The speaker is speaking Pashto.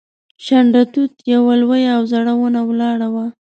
شنډه توت یوه لویه او زړه ونه ولاړه وه.